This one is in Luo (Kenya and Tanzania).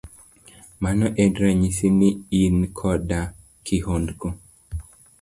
Mano en ranyisi ni in koda kihondko.